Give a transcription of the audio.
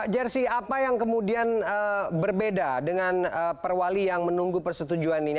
jersi apa yang kemudian berbeda dengan perwali yang menunggu persetujuan ini